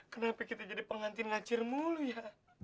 kenapa kita jadi pengantin ngacir mulu ya